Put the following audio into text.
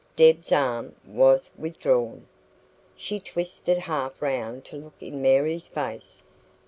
Deb's arm was withdrawn. She twisted half round to look in Mary's face.